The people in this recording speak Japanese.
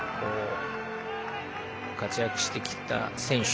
活躍してきた選手